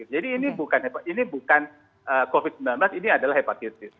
jadi ini bukan covid sembilan belas ini adalah hepatitis